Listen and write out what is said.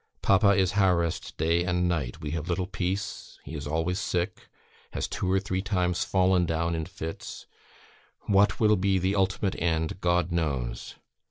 ... Papa is harassed day and night; we have little peace, he is always sick; has two or three times fallen down in fits; what will be the ultimate end, God knows.